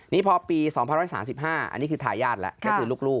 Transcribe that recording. นี้พอปี๒๐๓๕อันนี้คือทายาทแหละ